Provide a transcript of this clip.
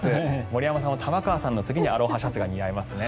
森山さんも玉川さんの次にアロハシャツが似合いますね。